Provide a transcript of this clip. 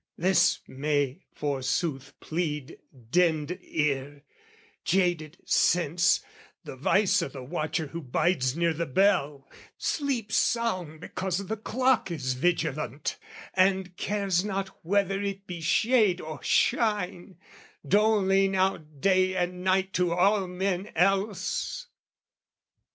This may forsooth plead dinned ear, jaded sense, The vice o' the watcher who bides near the bell, Sleeps sound because the clock is vigilant, And cares not whether it be shade or shine, Doling out day and night to all men else!